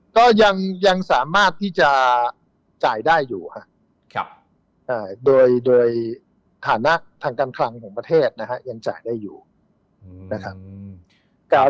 ก็ยังสามารถที่จะจ่ายได้อยู่ครับโดยฐานะทางการคลังของประเทศนะฮะยังจ่ายได้อยู่นะครับ